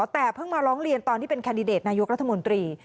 แต่เพิ่งมาร้องเรียนตอนที่เป็นแคนดิเดตนายกรัฐมนตรี